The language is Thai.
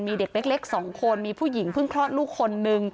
มีเด็กเล็ก๒คนมีผู้หญิงเพิ่งคลอดลูกคนนึง